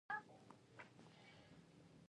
هرڅه د اور په اوچتو درجو كي سوزي